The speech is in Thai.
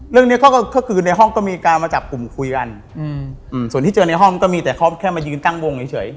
เรื่องนี้ก็คือในห้องก็มีการมาจับกลุ่มคุยกันส่วนที่เจอในห้องก็มีแต่เขาแค่มายืนตั้งวงเฉย